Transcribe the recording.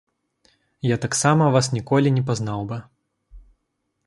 Я таксама вас ніколі не пазнаў бы.